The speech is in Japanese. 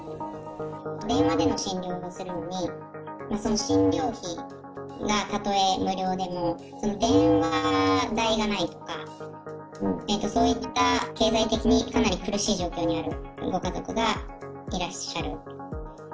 電話での診療をするのに、その診療費がたとえ無料でも、その電話代ないとか、そういった経済的にかなり苦しい状況にあるご家族がいらっしゃる。